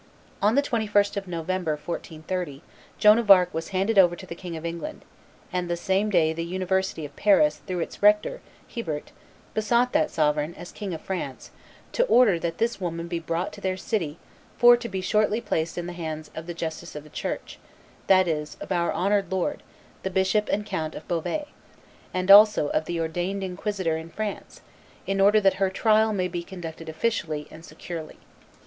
On the 21st of November, 1430, Joan of Arc was handed over to the King of England, and the same day the University of Paris, through its rector, Hebert, besought that sovereign, as King of France, "to order that this woman be brought to their city for to be shortly placed in the hands of the justice of the Church, that is, of our honored lord, the Bishop and Count of Beauvais, and also of the ordained inquisitor in France, in order that her trial may be conducted officially and securely."